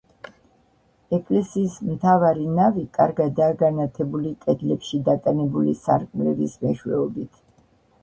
ეკლესიის მთავარი ნავი კარგადაა განათებული კედლებში დატანებული სარკმლების მეშვეობით.